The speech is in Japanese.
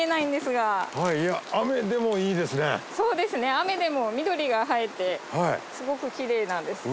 雨でも緑が映えてすごくきれいなんです